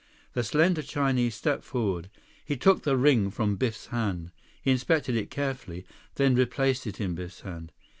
The slender Chinese stepped forward. He took the ring from Biff's hand. He inspected it carefully, then replaced it in Biff's hand.